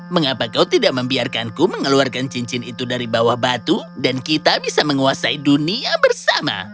mengapa kau tidak membiarkanku mengeluarkan cincin itu dari bawah batu dan kita bisa menguasai dunia bersama